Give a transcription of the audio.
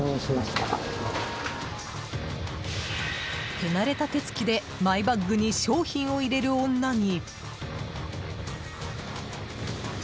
手慣れた手つきでマイバッグに商品を入れる女に。